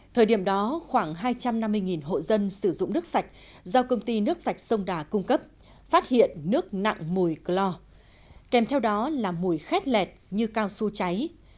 thời điểm đó khoảng hai trăm năm mươi hộ dân sử dụng nước sạch do công ty nước sạch sông đà cung cấp phát hiện nước nặng mùi clor kèm theo đó là mùi khét lẹt như cao su cháy